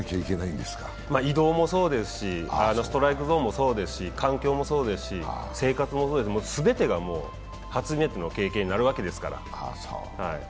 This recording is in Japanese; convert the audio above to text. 移動もそうですし、ストライクゾーンもそうですし、生活もそうです、全てが初めての経験になるわけですから。